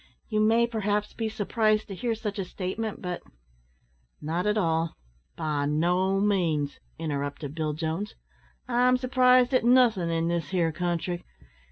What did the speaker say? You may, perhaps, be surprised to hear such a statement, but " "Not at all by no means," interrupted Bill Jones; "I'm surprised at nothin' in this here country.